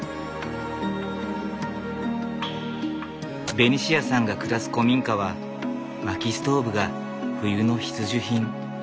ベニシアさんが暮らす古民家は薪ストーブが冬の必需品。